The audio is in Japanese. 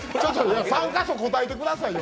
３か所答えてくださいよ。